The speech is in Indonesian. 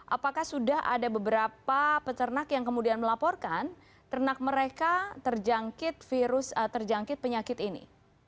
apakah sudah ada beberapa peternak yang kemudian melaporkan ternak mereka terjangkit penyakit ini